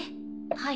はい。